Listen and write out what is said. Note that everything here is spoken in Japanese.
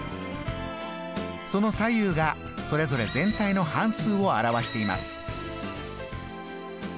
その左右がそれぞれ全体の半数を表しています。